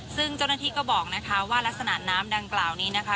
ซึ่งเจ้าหน้าที่ก็บอกนะคะว่ารักษณะน้ำดังกล่าวนี้นะคะ